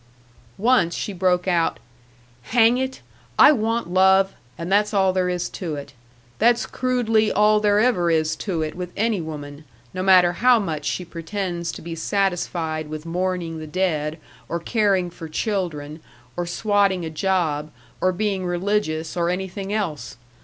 Once she broke out: "Hang it! I want love, and that's all there is to it that's crudely all there ever is to it with any woman, no matter how much she pretends to be satisfied with mourning the dead or caring for children, or swatting a job or being religious or anything else.